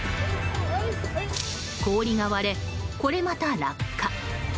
氷が割れ、これまた落下。